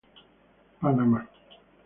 Panama